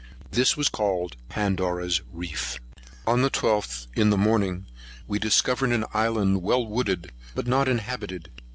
This was called Pandora's Reef. On the 12th, in the morning, we discovered an island well wooded, but not inhabited.